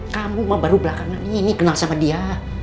kamu mah baru belakangan ini kenal sama dia